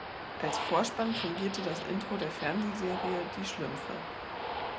Als Vorspann fungierte das Intro der Fernsehserie "Die Schlümpfe".